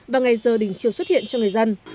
và ngày giờ đỉnh chiều xuất hiện cho người dân